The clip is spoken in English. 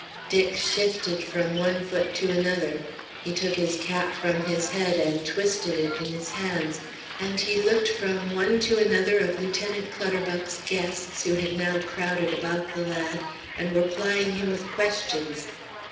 Dick shifted from one foot to another; he took his cap from his head and twisted it in his hands; and he looked from one to another of Lieutenant Clutterbuck's guests who had now crowded about the lad and were plying him with questions.